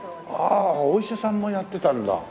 ああお医者さんもやってたんだ。